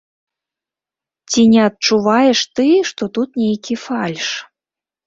Ці не адчуваеш ты, што тут нейкі фальш?